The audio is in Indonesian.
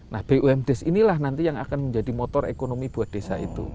nah bumdes inilah nanti yang akan menjadi motor ekonomi buat desa itu